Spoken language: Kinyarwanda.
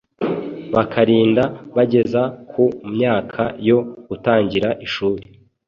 bakarinda bageza ku myaka yo gutangira ishuri